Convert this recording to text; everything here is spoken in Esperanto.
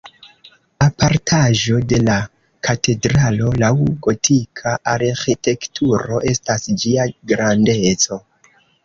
Apartaĵo de la katedralo laŭ gotika arĥitekturo estas ĝia grandeco.